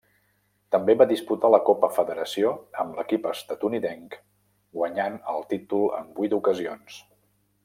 També va disputar la Copa Federació amb l'equip estatunidenc guanyant el títol en vuit ocasions.